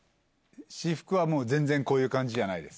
私服は全然こういう感じじゃないです。